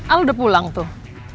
al udah pulang tuh